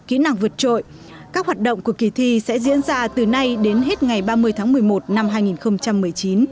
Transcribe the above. kỹ năng vượt trội các hoạt động của kỳ thi sẽ diễn ra từ nay đến hết ngày ba mươi tháng một mươi một năm hai nghìn một mươi chín